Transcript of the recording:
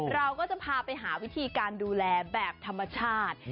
เราก็จะพาไปหาวิธีการดูแลแบบธรรมชาติ